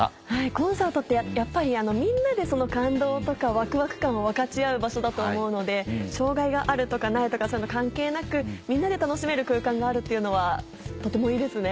コンサートってやっぱりみんなでその感動とかワクワク感を分かち合う場所だと思うので障がいがあるとかないとかそういうの関係なくみんなで楽しめる空間があるっていうのはとてもいいですね。